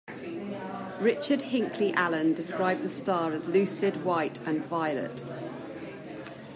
Richard Hinckley Allen described the star as lucid white and violet.